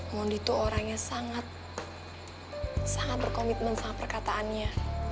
mondi tuh orangnya sangat sangat berkomitmen sama perkataannya